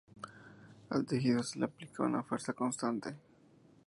Al tejido se le aplica una fuerza constante.